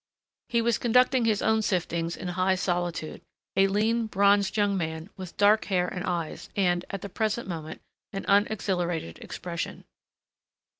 He was conducting his own siftings in high solitude, a lean, bronzed young man, with dark hair and eyes and, at the present moment, an unexhilarated expression.